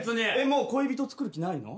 もう恋人つくる気ないの？